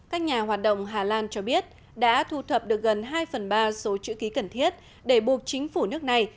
các nhà hoạt động hà lan cho biết đã thu thập được gần hai phần ba số chữ ký cần thiết để buộc chính phủ nước này